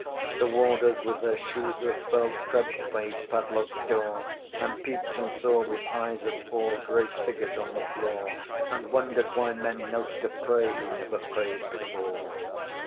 The Warders with their shoes of felt Crept by each padlocked door, And peeped and saw, with eyes of awe, Grey figures on the floor, And wondered why men knelt to pray Who never prayed before.